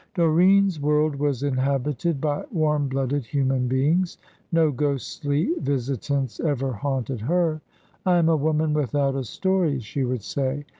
Doreen's world was inhabited by warm blooded human beings; no ghostly visitants ever haunted her. "I am a woman without a story," she would say.